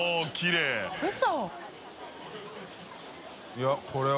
いこれは。